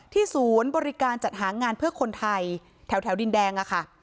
ศูนย์บริการจัดหางานเพื่อคนไทยแถวดินแดงอะค่ะ